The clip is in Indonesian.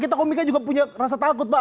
kita komiknya juga punya rasa takut pak